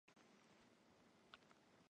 未来に行ってきたよ！